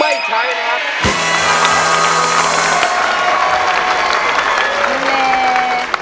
ไม่ใช่ครับ